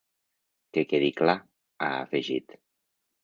Que quedi clar, ha afegit.